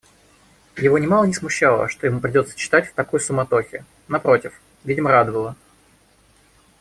Его нимало не смущало, что ему придется читать в такой суматохе, напротив, видимо радовало.